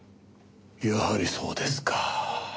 やはりそうですか。